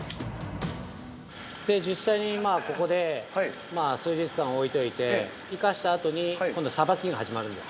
◆実際に、ここで数日間置いといて生かしたあとに今度、さばきが始まるんですね。